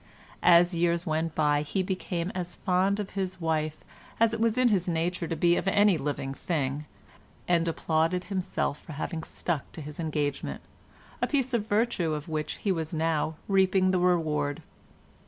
As years went by he became as fond of his wife as it was in his nature to be of any living thing, and applauded himself for having stuck to his engagement—a piece of virtue of which he was now reaping the reward.